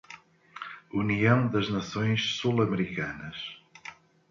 União das Nações Sul-Americanas